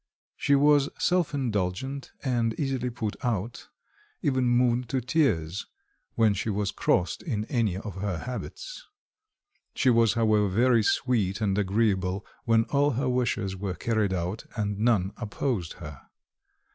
She was self indulgent and easily put out, even moved to tears when she was crossed in any of her habits. She was, however, very sweet and agreeable when all her wishes were carried out and none opposed her.